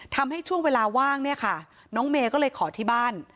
ทำให้ช่วงเวลาว่างน้องเมก็เลยขอที่บ้าน